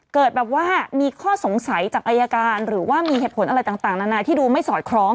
เกิดแบบว่ามีข้อสงสัยจากอายการหรือว่ามีเหตุผลอะไรต่างนานาที่ดูไม่สอดคล้อง